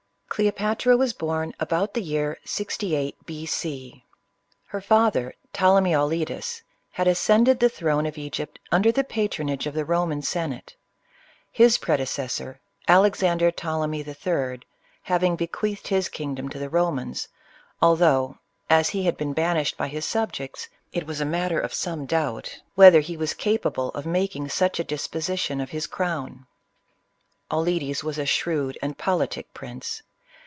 CLEOPATRA was born about the year 68, B. C. Her father, Ptolemy Auletes, had ascended the throne of Egypt under the patronage of the Roman Senate ; his predecessor, Alexander Ptolemy III., having be queathed his kingdom to the Romans, although, as he had been banished by his subjects, it was a matter of some doubt, whether he was capable of making such a <lisjx>sition of his crown. Aulctcs was a shrewd and politic prince.